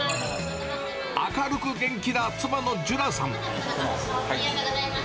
明るく元気な妻のじゅらさん。